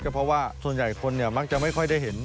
เพราะว่าส่วนใหญ่คนมักจะไม่ค่อยได้เห็น